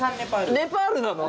ネパールなの！？